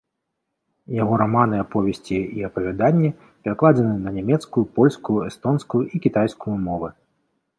Яго раманы, аповесці і апавяданні перакладзены на нямецкую, польскую, эстонскую і кітайскую мовы.